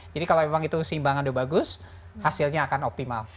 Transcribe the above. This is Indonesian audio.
jadi kalau memang itu keseimbangan itu bagus hasilnya akan optimal